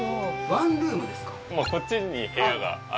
こっちに部屋がある。